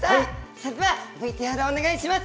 それではＶＴＲ、お願いします。